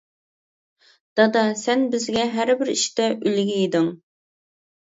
دادا، سەن بىزگە ھەر بىر ئىشتا ئۈلگە ئىدىڭ.